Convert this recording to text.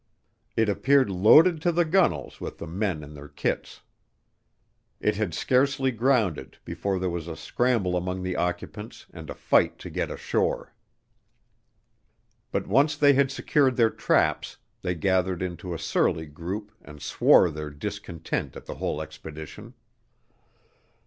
It appeared loaded to the gunwales with the men and their kits. It had scarcely grounded before there was a scramble among the occupants and a fight to get ashore. But once they had secured their traps, they gathered into a surly group and swore their discontent at the whole expedition.